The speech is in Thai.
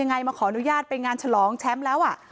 แต่มันถือปืนมันไม่รู้นะแต่ตอนหลังมันจะยิงอะไรหรือเปล่าเราก็ไม่รู้นะ